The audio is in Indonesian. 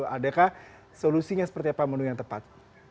adakah solusinya seperti apa menu yang tepat